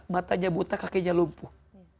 matanya buta kakinya lumpuh